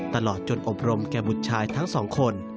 ตลอดจนอบรมแก่บุตรชายทั้งสองคน